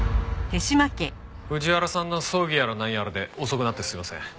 藤原さんの葬儀やらなんやらで遅くなってすいません。